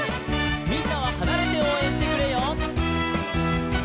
「みんなははなれておうえんしてくれよ」